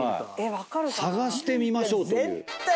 探してみましょうという。